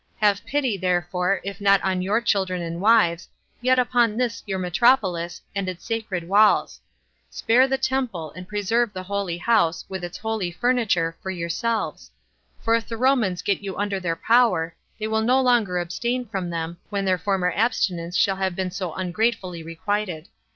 Have pity, therefore, if not on your children and wives, yet upon this your metropolis, and its sacred walls; spare the temple, and preserve the holy house, with its holy furniture, for yourselves; for if the Romans get you under their power, they will no longer abstain from them, when their former abstinence shall have been so ungratefully requited.